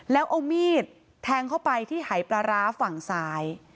แล้วเอามีดแทงเข้าไปที่หายปลาร้าฝั่งซ้าย